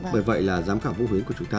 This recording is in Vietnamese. bởi vậy là giám khảo vũ huyến của chúng ta